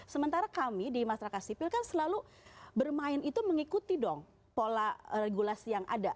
sementara kami di masyarakat sipil kan selalu bermain itu mengikuti dong pola regulasi yang ada